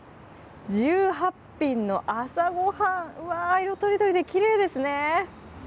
１８品の朝ご飯、うわあ色とりどりできれいですね。